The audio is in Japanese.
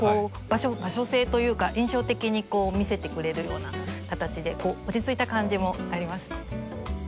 場所性というか印象的に見せてくれるような形で落ち着いた感じもありますね。